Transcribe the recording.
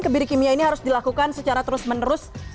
kebiri kimia ini harus dilakukan secara terus menerus